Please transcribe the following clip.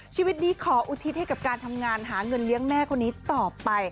ชีวิตนี้ขออุทิศให้กับการทำงานหาเงินเลี้ยงแม่คนนี้ต่อไป